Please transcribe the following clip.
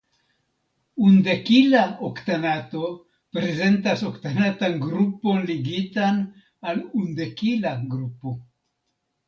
Undekila oktanato prezentas oktanatan grupon ligitan al undekila grupo.